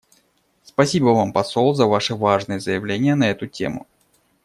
Спасибо Вам, посол, за Ваше важное заявление на эту тему.